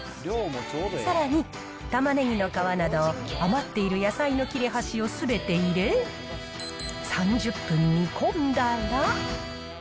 さらに、玉ねぎの皮など、余っている野菜の切れ端をすべて入れ、３０分煮込んだら。